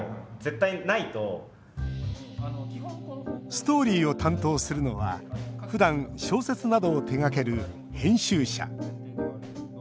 ストーリーを担当するのはふだん小説などを手がける編集者。